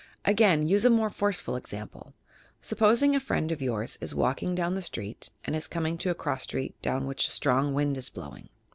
Again, to use a more forceful example, supposing a friend of yours is walking down the street and is coming to a cross street down which a strong wind is blowing.